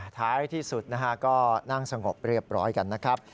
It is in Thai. ท้ายที่สุดนะฮะก็นั่งสงบเรียบร้อยกันนะครับ